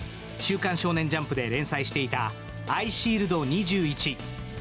「週刊少年ジャンプ」で連載していた「アイシールド２１」。